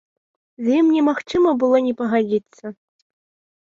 З ім немагчыма было не пагадзіцца.